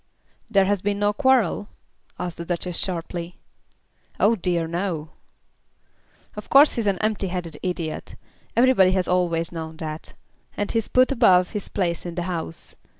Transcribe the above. "There has been no quarrel?" asked the Duchess sharply. "Oh dear, no." "Of course he's an empty headed idiot. Everybody has always known that. And he's put above his place in the House.